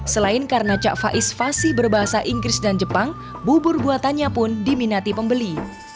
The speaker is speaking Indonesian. selain karena cak faiz fasih berbahasa inggris dan jepang bubur buatannya pun diminati pembeli